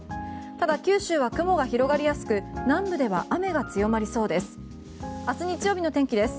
ただ九州は雲が広がりやすく南部では雨が強まりそうです。